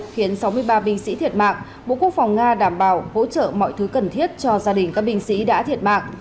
khiến sáu mươi ba binh sĩ thiệt mạng bộ quốc phòng nga đảm bảo hỗ trợ mọi thứ cần thiết cho gia đình các binh sĩ đã thiệt mạng